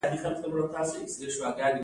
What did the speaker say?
غیر عملي نظریې لرې کیږي.